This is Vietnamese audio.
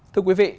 thưa quý vị